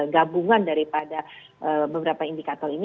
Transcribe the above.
gabungan daripada beberapa indikator ini